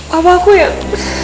papa aku yang